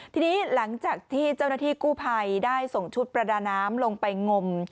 ทีนี้หลังจากที่เจ้าหน้าที่กู้ภัยได้ส่งชุดประดาน้ำลงไปงม